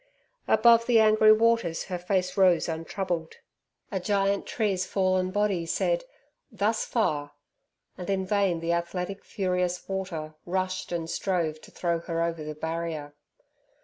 Above the angry waters her face rose untroubled. A giant tree's fallen body said, "Thus far!" and in vain the athletic furious water rushed and strove to throw her over the barrier.